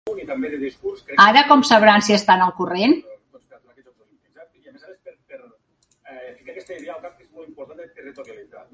Ara, com sabran si estan al corrent?